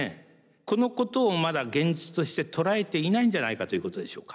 このことをまだ現実として捉えていないんじゃないかということでしょうか？